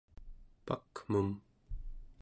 pak'mum